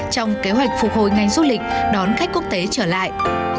trong kế hoạch phục hồi ngành du lịch đón khách quốc tế trở lại